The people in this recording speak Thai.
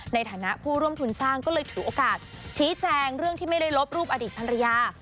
ในฐานะผู้ร่วมทุนสร้างก็เลยถือโอกาสชี้แจงเรื่องที่ไม่ได้ลบรูปอดีตภรรยา